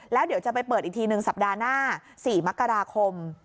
แล้วเดี๋ยวจะไปเปิดอีกทีหนึ่งสัปดาห์หน้า๔มกราคม